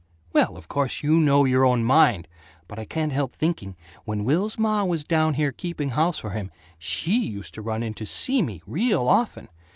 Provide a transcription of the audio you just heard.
"Well of course you know your own mind, but I can't help thinking, when Will's ma was down here keeping house for him SHE used to run in to SEE me, real OFTEN!